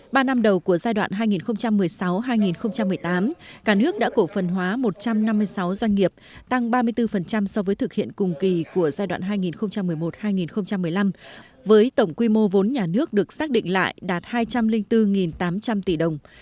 ba năm đầu của giai đoạn hai nghìn một mươi sáu hai nghìn một mươi tám cả nước đã cổ phần hóa một trăm năm mươi sáu doanh nghiệp tăng ba mươi bốn so với thực hiện cùng kỳ của giai đoạn hai nghìn một mươi một hai nghìn một mươi năm với tổng quy mô vốn nhà nước được xác định lại đạt hai trăm linh bốn tám trăm linh tỷ đồng